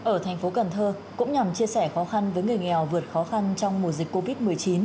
ở thành phố cần thơ cũng nhằm chia sẻ khó khăn với người nghèo vượt khó khăn trong mùa dịch covid một mươi chín